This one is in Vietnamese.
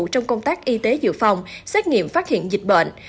trong công tác y tế dự phòng xét nghiệm phát hiện dịch bệnh